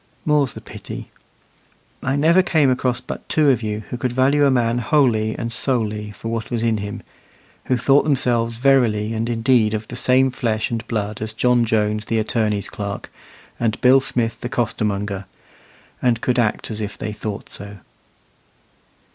More's the pity. I never came across but two of you who could value a man wholly and solely for what was in him who thought themselves verily and indeed of the same flesh and blood as John Jones the attorney's clerk, and Bill Smith the costermonger, and could act as if they thought so.